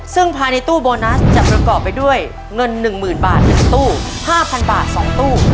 ซึ่งภายในตู้โบนัสจะประกอบไปด้วยเงิน๑๐๐๐บาท๑ตู้๕๐๐บาท๒ตู้